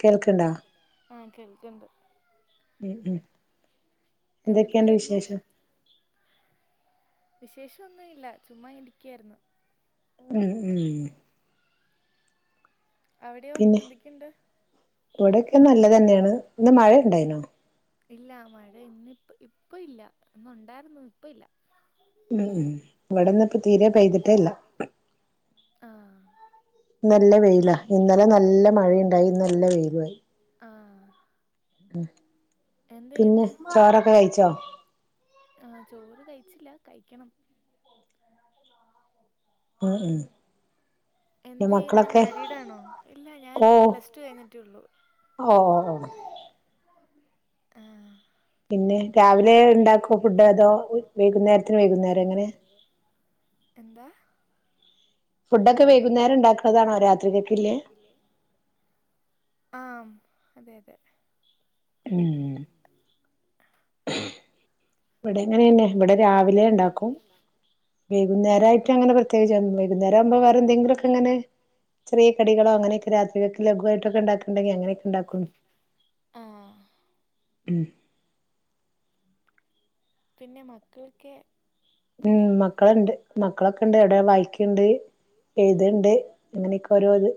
കേൾക്ണ്ടാ ആ കേൾക്ണ്ട് ഉം ഉ എന്തൊക്കെയുണ്ട് എന്തെടുക്കായിരുന്നു വിശേഷം വിശേഷം ഒന്നും ഇല്ല ചുമ്മാ ഇങ്‌നെക്കായിരുന്നു ഉം ഉം അവിടെയോ എന്തൊക്കെയുണ്ട് ഇവിടൊക്കെ നല്ലതന്നെയാണ് ഇന്ന് മഴ ഉണ്ടായിനോ ഇല്ല മഴ ഇന്നിപ്പ ഇപ്പ ഇല്ല ഇന്നുണ്ടായിരുന്നു ഇപ്പ ഇല്ല ഉ ഉ ഇവിടെന്ന് ഇപ്പ തീരെ പെയ്തിട്ടേല്ല ആഹ് നല്ല വെയിലാ ഇന്നലെ നല്ല മഴയുണ്ടായി ഇന്നല്ല വെയിലുവായി. ആ പിന്നെ ചോറൊക്ക കഴിച്ചോ? ആഹ് ചോറ് കഴിച്ചില്ല കഴിക്കണം. ആ ആ എന്തായ്യ്ന്നെ മാരിഡാണോ ഇല്ല ഞാൻ പ്ലസ് ടു കഴിഞ്ഞിട്ടേള്ളു. ഓഹോ. ആ പിന്നെ രാവിലെ ഇണ്ടാക്കുവോ ഫുഡ് അതോ വൈകുന്നേരത്തിന് വൈകുന്നേരം എങ്ങനെ? എന്താ? ഫുഡൊക്കെ വൈകുന്നേരം ഇണ്ടാക്കലാണോ രാത്രിക്കത്തേന് ആ അതെ അതെ. ഉം ഇവിടെങ്ങനെന്നെയാ ഇവിടെ രാവിലെണ്ടാക്കും ആഹ് വൈകുന്നേരായിട്ട് അങ്ങനെ പ്രത്യേകിച്ചൊന്നുല്ല വൈകുന്നേരാവുമ്പ വേറെന്തെങ്കിലൊക്കങ്ങനെ ചെറിയ കടികളോ അങ്ങനെയൊക്കെ രാത്രിലേക്ക് ലഘുവായിട്ടൊക്കെണ്ടാക്കണ്ടെങ്കി അങ്ങനെയൊക്കെണ്ടാക്കും. ആഹ് ഉം പിന്നെ മക്കളക്കെ? ഉം മക്കളണ്ട് മക്കളൊക്കെ ഇണ്ട് ഏടൊ വായിക്ക്ണ്ട്. എഴുത്ണ്ട് അങ്ങനെയൊക്കെ ഓരോ ഇത്.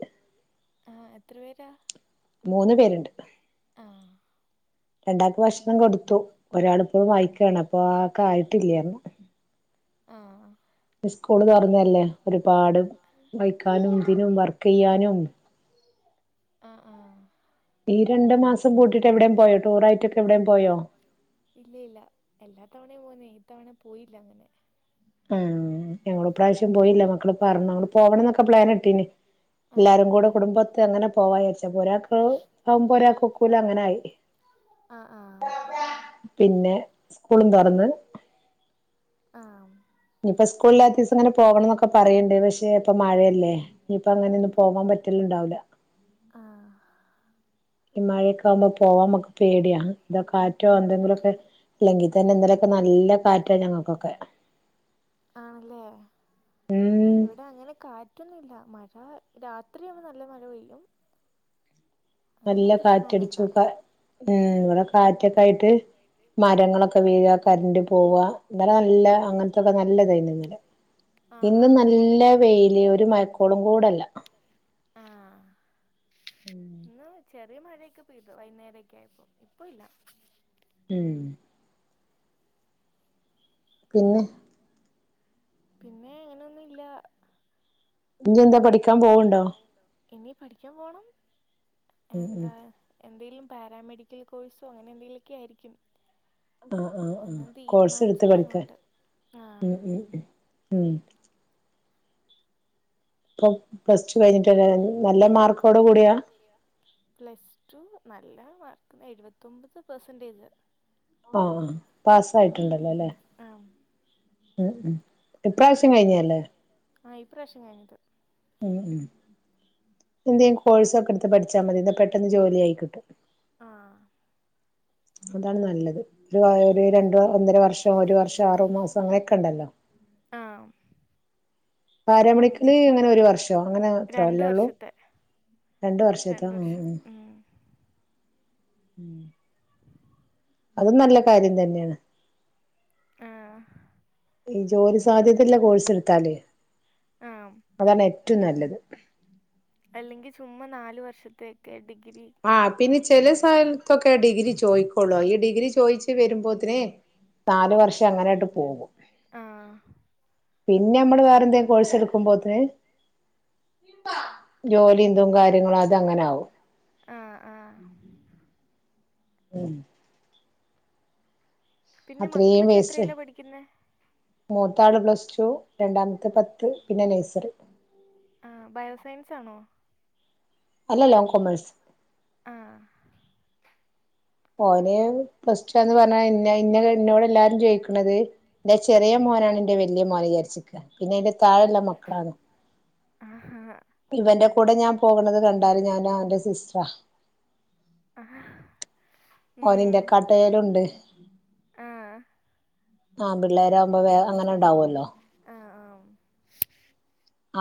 ആ എത്ര പേരാ? മൂന്ന് പേര്ണ്ട് ആഹ് രണ്ടാക്ക് ഭഷ് ണം കൊടുത്തു ഒരാളിപ്പഴും വായിക്കാണ് അപ്പൊ ആക്കായിട്ടില്ല്യാന്ന്. ആഹ് സ്കൂള് തൊറന്നല്ലേ ഒരുപാട് വായിക്കാനും ഇതിനും വർക്കെയ്യാനും ആ ആ ഈ രണ്ടു മാസം കൂട്ടിട്ടെവിടേം പോയോ ടൂറായിട്ടൊക്കെ എവിടേം പോയോ? ഇല്ല ഇല്ല എല്ലാ തവണയും പോന്നേ ഇത്തവണ പോയില്ലങ്ങനെ. ഉം ഞങ്ങളുപ്രാശ്യം പോയില്ല മക്കള് പറഞ്ഞു നമുക്ക് പോവണന്നൊക്കെ പ്ലാനിട്ടീനി. ആഹ് എല്ലാരും കൂടെ കുടുംബത്ത് അങ്ങനെ പോവായേച്ച് അപ്പ ഒരാക്ക് ആവുമ്പരാക്കൊക്കൂല അങ്ങനായി. ആഹ് ആഹ് പിന്നെ സ്കൂളും തൊറന്ന്. ആഹ് ഇപ്പ സ്കൂളില്ലാത്ത ദെവസം അങ്ങനെ പോകണന്നൊക്കെ പറയണ്ട് പഷെ ഇപ്പ മഴയല്ലേ ഇനിയിപ്പയങ്ങനെനൊന്നും പോവാം പറ്റലുണ്ടാവില്ല ആഹ് ഈ മഴയൊക്കെ ആവുമ്പോ പോവാൻ നമ്മക്ക് പേടിയാ വല്ല കാറ്റോ എന്തെങ്കിലൊക്കെ ഇല്ലെങ്കി തന്നെ ഇന്നലെ പ്പ നല്ല കാറ്റാ ഞങ്ങക്കൊക്കെ. ആണല്ലേ ഉം ഇവിടങ്ങനെ കാറ്റോന്നില്ല മഴ പ്പ രാത്രിയാവുമ്പോ നല്ല മഴ പെയ്യും. അങ്ങനെ നല്ല പ്രശ്നൊന്നുല്ല കാറ്റടിച്ചുയിപ്പോ ഉം ഇവിടെ കാറ്റോക്കായിട്ട് മരങ്ങളൊക്കെ വീഴാ കരന്റ് പോവ ഇന്നലെ നല്ല അങ്ങനത്തൊക്കെ നല്ലേതായിരുന്നുന്നലെ. ആഹ് ഇന്ന് ആഹ് നല്ല വെയില് ഒരു മയക്കോളും കൂടല്ല. ആ ന്നാ വെച്ച് ചെറിയ മഴയൊക്ക പെയ്തു വൈന്നേരക്കെയായപ്പോ ഇപ്പോല്ല. ഉം പിന്നെ? പിന്നെ അങ്ങനൊന്നുല്ലാ. ഇനി എന്താ പഠിക്കാൻ പോവണ്ടോ? ഇനി പഠിക്കാൻ പോണം ഉം ഉം എന്താ എന്തേലും പാരാമെഡിക്കൽ കോഴ്സോ അങ്ങനെ എന്തെങ്കിലു ഒക്കെ ആയിരിക്കും ആഹ് ആഹ് ആ ഒന്നും കോഴ്സ് എടുത്ത് തീരുമാനിച്ചില്ല പഠിക്കാ അങ്ങോട്ട് ആഹ് ഉ ഉ ഉം ഉം ഇപ്പം പ്ലസ്റ്റു കഴിഞ്ഞിട്ടല്ലെ നല്ല മാർക്കോട് കൂടിയാ പ്ലസ് ടു നല്ല മാർക്ക് ന്ന് എഴുപത്തൊമ്പത് പെർസെന്റേജ് ആഹ് ആ പാസായിട്ടുണ്ടല്ലോ ല്ലെ ആഹ് ഉ ഉം ഇപ്രാവശ്യം കഴിഞ്ഞല്ലേ ആഹ് ഇ പ്രാവശ്യം കയിഞ്ഞത് ഉ ഉ എന്തേം കോഴ്സ് ഒക്കെ എടുത്ത് പഠിച്ചാൽ മതിന്നാ പെട്ടെന്ന് ജോലി ആയി കിട്ടും ആഹ് അതാണ് നല്ലത് ഒരു ഒരു രണ്ട് ഒന്നര വർഷം ഒരു വർഷം ആറു മാസം അങ്ങനെയൊക്കെ ഉണ്ടല്ലോ ആഹ് പാര മെഡിക്കല് ഇങ്ങനെ ഒരു വർഷ [unintelligible] അങ്ങനെ എത്രോ രണ്ട് അല്ലൊള്ളൂ വർഷത്തെ രണ്ട് വർഷത്താ എ വർഷം ഏ ഉം ഉം അതും നല്ല കാര്യം തന്നെയാണ് ആഹ് ഈ ജോലി സാധ്യതല്ല കോഴ്സ് എടുത്താല് ആഹ് അതാണ് ഏ റ്റും നല്ലത് അല്ലെങ്കിൽ ചുമ്മാ നാല് വർഷത്തെയൊക്കെ ഡിഗ് ആഹ് പിന്നെ ചെല സ്ഥലത്തൊക്കെ ആ ഡിഗ്രി ചോയിക്കോളു ഈ ഡിഗ് രി ചോയിച്ചു വരുമ്പോത്തിന് നാല് വർഷം അങ്ങനെങ്ങട്ട് പോകും ആഹ് പിന്നെ നമ്മള് വേറെ എന്തേം കോഴ്സ് എടുക്കുമ്പോത്തിന് ജോലി എന്തും കാര്യങ്ങളും അതങ്ങനെ ആകും ആഹ് ആഹ് ഉംമ് പിന്നെ അത്രയും മക്കളൊക്കെ വേസ്റ്റ് എത്രേലാ പഠിക്കുന്ന മൂത്താള് പ്ലസ് ടു രണ്ടാമത്തെ പത്ത് പിന്നെ നെയ്സറി ആ ബയോസയൻസ് ആണോ അല്ലല്ല ഓൻ കൊമേഴ്സ്. ആഹ് ഓന് പ്ലസ് റ്റു ആന്ന് പറഞ്ഞാൽ ഇന്നെ ഇന്ന ഇന്നോട് എല്ലാരും ചോയിക്കണത് ഇന്റെ ചെറിയ മോനാണ് ഇന്റെ വലിയ മോൻ വിചാരിച്ച് പിന്നെ അയിന്റെ താഴല്ല മക്കളാണ് ആഹാ ഇവൻന്റെ കൂടെ ഞാൻ പോകണത് കണ്ടാല് ഞാൻ ഓൻ്റെ സിസ്റ്ററാ ആഹ് ഓൻ ഇന്റെ ഉം കാട്ടേലുണ്ട് ആ ആ പിള്ളേരാവുമ്പോ വേ അങ്ങനെ ഉണ്ടാവുവല്ലോ ആഹ് ആം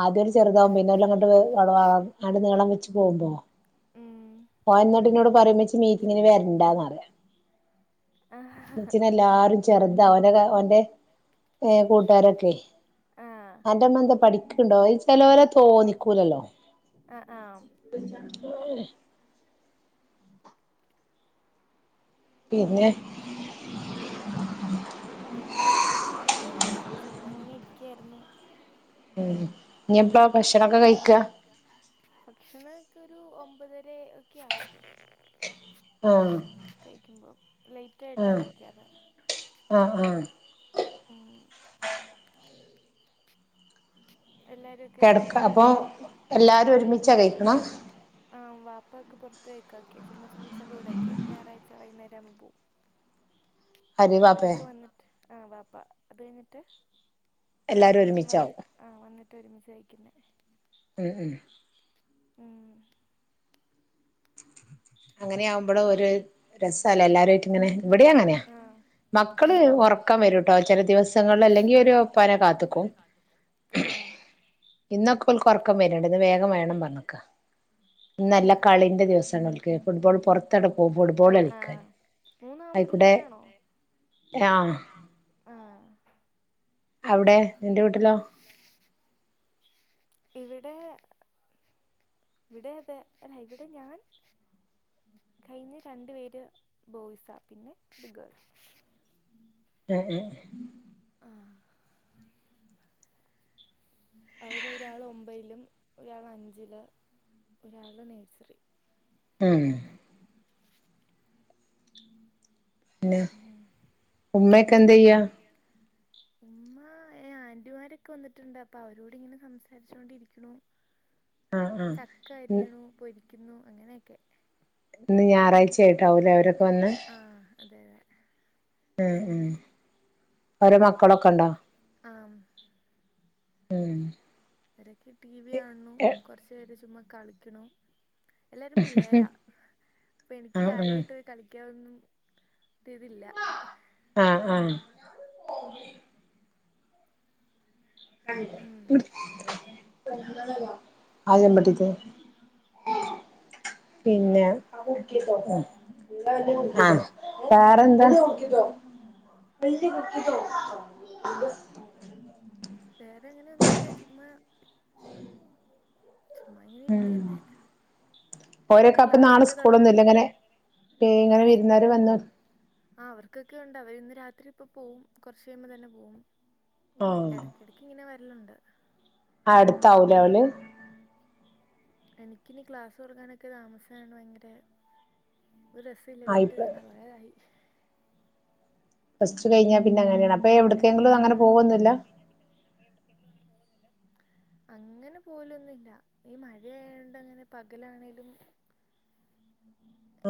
ആദ്യം ഒരു ചെറുതാവും പിന്നെല്ലെ ഇങ്ങട്ട്ള അ നീളം വെച്ച് പോക്കും ഉം പറഴും ഇമ്മച്ചി മീറ്റിങ്ങിന് വരണ്ടാന്നറിയാ ആ ഇമ്മച്ചിനെ എല്ലാരും ചെറുതാ ഓന്റെ ഓന്റെ കൂട്ടാരൊക്കെ ആ അന്റെമ്മ എന്താ പഠിക് ണ്ടോ ചെലോലെ തോന്നിക്കൂലല്ലോ ആ ആം പിന്നെ പിന്നെ അങ്ങനെയൊന്നും ഇല്ല ചുമ്മാ ഇങ്ങനെ ഇരിക്കായിരുന്നു ഉം ഇനിപ്പോ എപ്പയാ ഭക്ഷണൊക്കെ കഴിക്ക ഭക്ഷണംക്കെ കഴിക്കാ ഭക്ഷനോക്കൊരു ഒ ഒമ്പതര ഒക്കെ ആകുംആ ആഹ് കഴിക്കുമ്പോ ലേറ്റ് ആയിട്ടാ ആഹ് കഴിക്കാറ് ആഹ് ആഹ് അ ആ ഉം എല്ലാവരുമൊക്കെ കെടക്ക ചിലപ്പോൾ അപ്പ ആ എല്ലാരും ഒരുമിച്ചാ കഴിക്ണെ അപ്പൊക്കെ [unintelligible] ചുമ്മാ ഫ്രണ്ട്സിന്റെ കൂടെ ഒക്കെ ഞായറാഴ്ച വൈകുന്നേരം ആകുമ്പോ പോവും അപ്പൊ അരി വാപ്പേ അവരൊക്കെ വന്നിട്ട് ആ വാപ്പാ അത് കഴിഞ്ഞിട്ട് എല്ലാരും വരുമ്പോൾ വന്ന് ഒരുമിച്ചാവും ആ വന്നിട്ട് ഒരുമിച്ച് കഴിക്കുന്നേ ഉം ഉം ഉം അങ്ങനെ ആകുമ്പോള് ഓര് രസല്ലേ എല്ലാരും ആയിട്ട് ഇങ്ങനെ ഇവേടെ അങ്ങനെയാ മക്കള് ഉറക്കം വരുംട്ടോ ചില ദിവസങ്ങളില് അല്ലെങ്കി ഒരുപ്പാനെ കാത്ത്ക്കും അങ്ങനെയാ ഇന്നൊക്കെ ഓൽക്ക് ഒറക്കം വര്ണ്ട് ഇന്ന് വേഗം വേണം പറഞ്ഞക്കാ ഇന്ന് നല്ല കളിന്റെ ദിവസാണ് ഓർക്ക് ഫുട്ബോൾ പുറത്തട്ട് പോക്കും ഫുട്ബോൾ കളിക്കാൻ ആയിക്കൂടെ പിള്ളേരാണോ ആഹ് ആ അവിടെ നിന്റെ വീട്ടിലോ ഇവിടെ ഇവിടെ അതെ ഇവിടെ ഞാൻ കഴിഞ്ഞ രണ്ടു പേര് ബോയ്സാ പിന്നെ ഗേൾ ഹേ ഹേ ആ അവര് ഒരാള് ഒമ്പയ്ലും ഒരാള് അഞ്ചില് ഒരാള് നേഴ്സറി ഉം പിന്നെ ഉം ഉമ്മക്കെ എന്തെയ്യാ? ഉമ്മാ ആന്റിമാരൊക്കെ വന്നിട്ട്ണ്ട് അപ്പ അവരോട് ഇങ്ങനെ സംസാരിച്ചോണ്ടിരിക്ക്ണു ആഹ് ആഹ് ചക്ക അരിയ്ണു പൊരിക്കുന്നു അങ്ങനെയൊക്കെ ഇന്ന് ഞാറാഴ്ച്ച ആയിട്ടാവൂലേ അവരൊക്കെ വന്ന് ആ അതെ ഉം ഉം ഓരോ മക്കളൊക്കെണ്ടോ? ആഹ് ഉം അവരോക്കെ ടി വി കാണുന്നു കൊർച്ച് പേര് ചുമ്മാ കളിക്ണു എല്ലാരും പിള്ളേരാ ഇപ്പം ഇൻക്ക് ആഹ് ആഹ് കാര്യായിട്ട് കളിക്കാനോന്നും ഇതില്ല ആഹ് [unintelligible] ഉം ആ ചെമ്പട്ടിത്തെ പിന്നെ ആ വേറെന്താ [unintelligible] വേറെ അങ്ങനെയൊന്നും ഇല്ല ചുമ്മാ ചുമ്മാ ഇങ്ങനെ ഇരിക്കന്നെ ഇനി ഓര്ക്കപ്പ ക്ലാസ്സൊക്കെ നാളെസ്കൂളൊന്നും തുടങ്ങാൻ ഇല്ല ഇങ്ങനെ ഇങ്ങനെ ക്ലാസ് വിരുന്നേര് വന്ന് ആ അവർക്കൊക്കെ ഉണ്ട് അവര് ഇന്ന് രാത്രി ഇപ്പൊ പോവും കോർച്ച് കഴിയുമ്പ തന്നെ പോവും ആഹ് എടക്കിടക്ക് ഇങ്ങനെ വരലുണ്ട് അടുത്താവൂലേ അവല് എനിക്കിനി ക്ലാസ് തുറക്കാനൊക്കെ താമസാനാണ് ഭയങ്കര ഒരു ആയി രസോല്ലവീട്ടിൽ തന്നെ പ്ലസ് കുറേതായി. ഫസ്റ്റ് കഴിഞ്ഞാ പിന്നെ അങ്ങനെയാണ് അപ്പൊ എവിടക്കെങ്കിലും വെക്കേഷൻ അങ്ങനെ തുടങ്ങിയിട്ടേ പോവുന്നില്ല. [inaudible] അങ്ങനെ പോലൊന്നുല്ല ഈ മഴയയണ്ട് അങ്ങനെ പകലാണേലും [inaudible]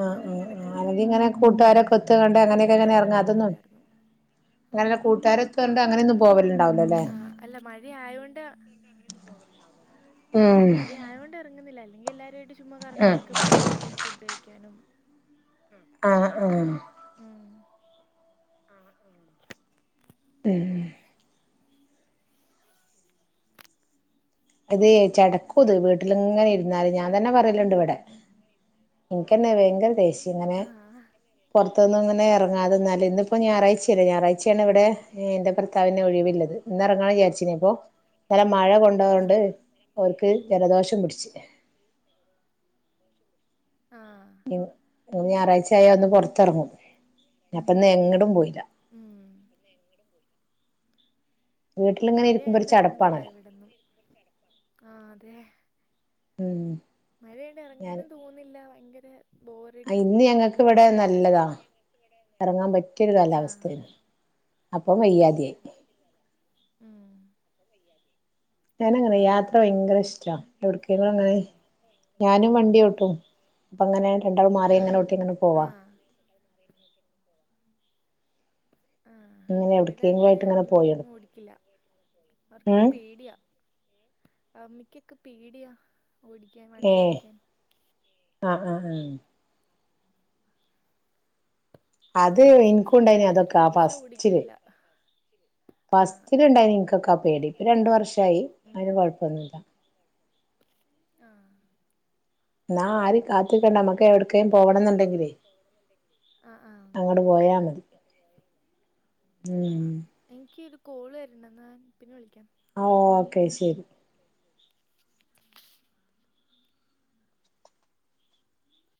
ആഹ എറങ്ങി ആ നടക്കലൊക്കെ അത് ഇങ്ങനെ പാടാ കൂട്ടുകാരൊക്കെ ഒത്ത് കണ്ട അങ്ങനെയൊക്കെ മഴയില്ലെങ്കി അത്ര കറങ്ങ അതൊന്നും കൊഴപ്പല്ലായിരുന്നു ഇ അല്ല കൂട്ടുകാരൊത്താണ്ട് അങ്ങനെയൊന്നും പോവലുണ്ടാവലില്ലേ? ആ അല്ല മഴയായോണ്ട് ആ മഴയയൊണ്ട് ഇറങ്ങുന്നില്ലല്ല. അ അല്ലെങ്കിൽ എല്ലാവരുുംമായിട്ട് ചുമ്മാ ആഹ് കറങ്ങാനൊക്കെ പോലുണ്ട് ഫുഡ് കഴിക്കാനും ആഹ ആഹ ആ ആ ഇത ചടക്കൂത് വീട്ടിലിങ്ങനെ ഇരുന്നാല് ഞാൻ തന്നെ പറയലണ്ട് ഇവിടെ എനക്ക്ന്നെ ഭയങ്കര ദേശി ഇങ്ങനെ ആഹ് പുൊറത്തു നിന്ന്ും ഇങ്ങനെ ഇറ അ അതന്നല്ല ഇന്നപ്പോ ഞായറാ്ചല്ലേ ഞായറാ്യാണ് ഇവിടെ എന്റെ ഭർത്താവിനെ ഒഴിവില്ലത് ഇന്ന് ഇറങ്ങാ വിചാരിച്ചപ്പോൊ നല്ല മഴ കൊണ്ടുപണ്ട് ആഹ് അവർക്ക് ജലദോഷം പിടിച്ചു ആഹ ഞായറാഴ്ച ആായ ഒന്ന് പുൊറത്തിറങ്ങും അപ്പൊന്ന് എങ്ങടും പോയില്ല ഉം അ മഴയണ്ട് ഇറങ്ങുന്നില്ല ഇവിടന്നും ആഹ അതെ ഉം മഴയണ്ട ഞാൻ ഇറങ്ങാനും തോന്നില്ല ഭയങ്കര ബോറടിയും ഇന്ന് ഞങ്ങൾക്ക് ഇവിടെ നല്ലതാ ഇറങ്ങാൻ പറ്റിയരു ആഹ് കാലാവസ്ഥയാണ് അപ്പൊ വയ്യാതിയായി ഉം ഞാനങ്ങനെ യാത്ര ഭയങ്കര ഇഷ്ട എവിടക്കും അങ്ങനെ ഞാനും വണ്ടിോട്ടും അപ്പൊ അങ്ങനെ രണ്ടാൾും മാറി ഇങ്ങനെോട്ടി ഇങ്ങനെ പോവാ ആഹ് ആഹ് ഇങ്ങനെ ഇവിടെ അങ്ങനെ എവിടക്കങ്കയിട്ട് ഇങ്ങനെ പോയി അമ്മയൊന്നും എടുക്ക ഓടിക്കില്ല അവർക്കൊക്കെ പേടിയാ അമ്മിക്കൊക്കെ പേടിയാ ഓടിക്കാൻ ഏ വണ്ടി ഓടിക്കാൻ ആഹ ആഹ ആഹ അത് ലൈസൻസ് ഒക്കെ എനിക്കൊണ്ടായിന എടുത്ത് അതൊക്കെ ആ വെച്ചിട്ടുണ്ട് പക്ഷെ ഫസ്റ്റില് ഓടിക്കലില്ല ആഹ് പസ്റ്റുണ്ടായി നിനക്കൊക്കെ ആ പേടി ഇപ്പൊ രണ്ടു വർഷ ആയി ഉം അവന് കൊഴപ്പൊന്നും ഇതാ ഉം ആഹ് നാ ആറി കാത്തക്കണ്ട മക്ക എവിടെ ഒക്ക പോവണം എന്നുണ്ടെങ്കിലേ ആഹ് അങ്ങോട്ട പോയാ മതി ആ ഉം എനിക്ക് ഒരു കോള് വരണ്ടന്ന് ഞാൻ പിന്നെ വിളിക്കാാം ആ ഓക്കെ ശരി